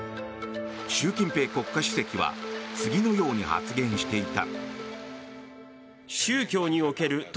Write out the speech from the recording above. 習近平国家主席は次のように発言していた。